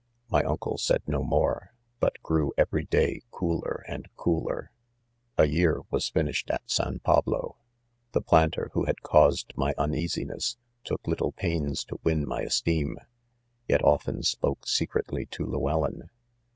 My uncle said no more, but grewevery ( |day cooler and cooler. ■ 6 A year was finished at San Pablo t the plan ter who had caused my uneasiness, took little pains to win my esteem, yet often 'spoke se cretly to Llewellyn.